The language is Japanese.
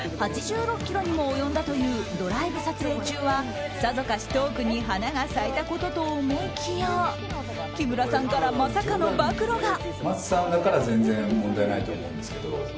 ８６ｋｍにも及んだというドライブ撮影中はさぞかしトークに花が咲いたことと思いきや木村さんから、まさかの暴露が。